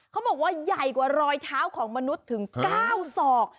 เขาบอกว่าใหญ่กว่ารอยเท้าของมนุษย์ถึง๙ศอก